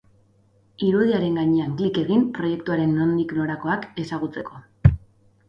Irudiaren gainean klik egin proiektuaren nondik norakoak ezagutzeko.